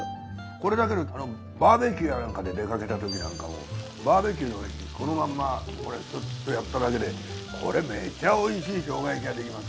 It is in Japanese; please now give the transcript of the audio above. これだけでバーベキューやなんかで出かけたときなんかもバーベキューの上にこのまんまこれスッとやっただけでこれめっちゃおいしい生姜焼きができます。